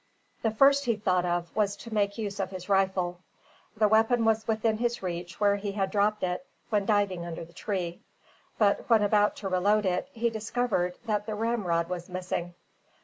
The first he thought of was to make use of his rifle. The weapon was within his reach where he had dropped it when diving under the tree; but when about to reload it, he discovered that the ramrod was missing!